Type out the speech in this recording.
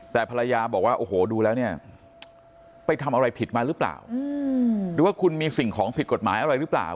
แต่ภรรยาบอกว่าโอ้โหดูแล้วเนี่ยไปทำอะไรผิดมาหรือเปล่าหรือว่าคุณมีสิ่งของผิดกฎหมายอะไรหรือเปล่า